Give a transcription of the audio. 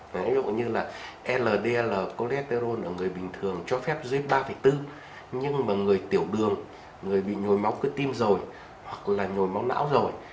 ví dụ như là ld là cólettero ở người bình thường cho phép dưới ba bốn nhưng mà người tiểu đường người bị nhồi máu cơ tim rồi hoặc là nhồi máu não rồi